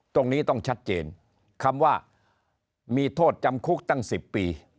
ตรงนี้ต้องชัดเจนคำว่ามีโทษจำคุกตั้ง๑๐ปี